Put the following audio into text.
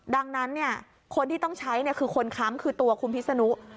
ดังนั้นเนี้ยคนที่ต้องใช้เนี้ยคือคนคำคือตัวคุณพิษนุ